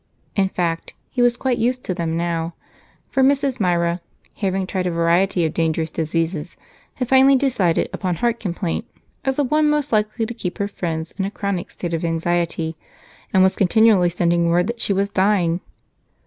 In fact, he was quite used to them now, for Mrs. Myra, having tried a variety of dangerous diseases, had finally decided upon heart complaint as the one most likely to keep her friends in a chronic state of anxiety and was continually sending word that she was dying.